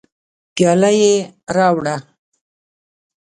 پیاله یې راوړه.